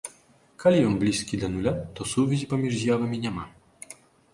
Калі ён блізкі да нуля, то сувязі паміж з'явамі няма.